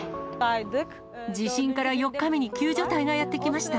地震から４日目に救助隊がやって来ました。